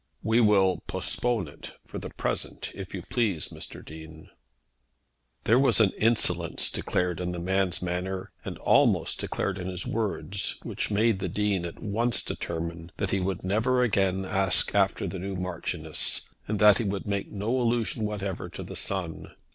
"We will postpone it for the present, if you please, Mr. Dean." There was an insolence declared in the man's manner and almost declared in his words, which made the Dean at once determine that he would never again ask after the new Marchioness, and that he would make no allusion whatever to the son.